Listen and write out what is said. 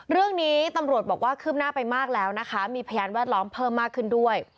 เรื่องนี้ตำรวจบอกว่าคืบหน้าไปมากแล้วนะคะมีพยานแวดล้อมเพิ่มมากขึ้นด้วย